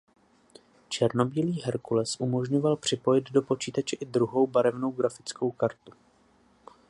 Černobílý Hercules umožňoval připojit do počítače i druhou barevnou grafickou kartu.